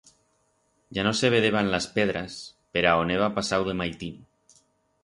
Ya no se vedeban las pedras per a on heba pasau de maitino.